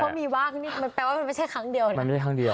คุณเช็คเขามีแปลว่ามันไม่ใช่ครั้งเดียวเนี้ย